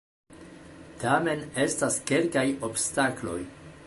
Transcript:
Tamen estas kelkaj obstakloj!